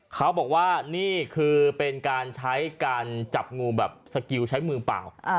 เขาบอกว่านี่คือเป็นการใช้การจับงูแบบสกิลใช้มือเปล่า